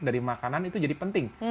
dari makanan itu jadi penting